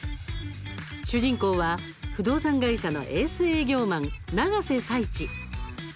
主人公は不動産会社のエース営業マン永瀬財地。